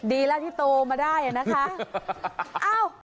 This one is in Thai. ดีแล้วที่โตมาได้นะคะ